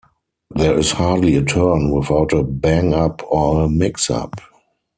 There is hardly a turn without a bang-up or a mix-up.